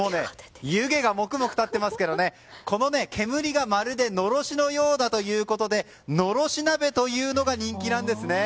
湯気がもくもく立ってますけどこの煙がまるでのろしのようだということでのろし鍋というのが人気なんです。